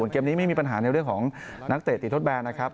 เกมนี้ไม่มีปัญหาในเรื่องของนักเตะติดทดแบนนะครับ